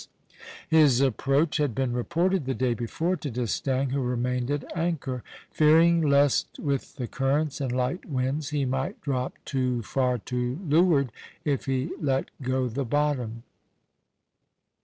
His approach had been reported the day before to D'Estaing, who remained at anchor, fearing lest with the currents and light winds he might drop too far to leeward if he let go the bottom.